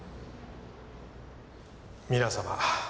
皆様